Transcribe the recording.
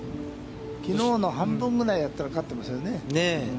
きのうの半分ぐらいだったら勝ってましたよね。